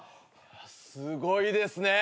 すごいですね。